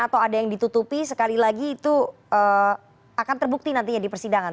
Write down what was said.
atau ada yang ditutupi sekali lagi itu akan terbukti nantinya di persidangan